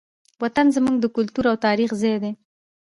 وطن زموږ د کلتور او تاریخ ځای دی.